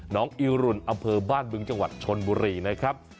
น้องอิรุณอำเภอบ้านบึงจังหวัดชนบุรีนะครับ